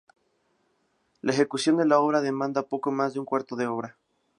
La ejecución de la obra demanda poco más de un cuarto de hora.